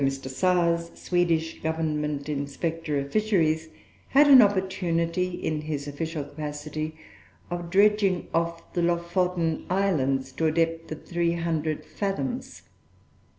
Sars, Swedish Government Inspector of Fisheries, had an opportunity, in his official capacity, of dredging off the Loffoten Islands at a depth of 300 fathoms.